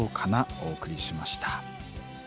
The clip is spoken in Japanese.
お送りしました。